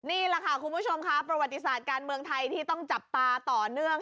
นี่แหละค่ะคุณผู้ชมค่ะประวัติศาสตร์การเมืองไทยที่ต้องจับตาต่อเนื่อง